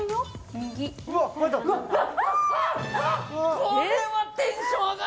これはテンション上がる！